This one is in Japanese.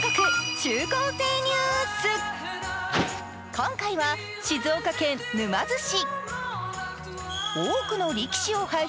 今回は、静岡県沼津市。